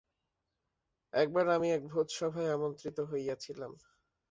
একবার আমি এক ভোজসভায় আমন্ত্রিত হইয়াছিলাম।